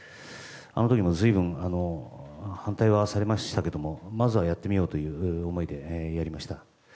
あの時も随分、反対はされましたけれどもまずはやってみようという思いでやりました。